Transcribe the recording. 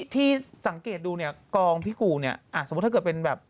ที่สังเกตดูกองพี่กูสมมุติถ้าเกิดเป็นแบบ